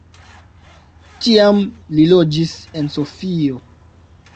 Tiam li loĝis en Sofio.